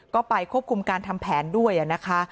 ก็ไปควบคุมการทำแผนด้วยนะคะ